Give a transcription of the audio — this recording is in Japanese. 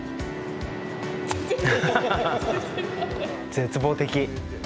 絶望的。